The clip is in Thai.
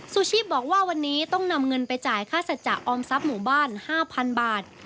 ซูชีพบอกว่าวันนี้ต้องนำเงินไปจ่ายค่าสัจจะออมทรัพย์หมู่บ้าน๕๐๐๐บาท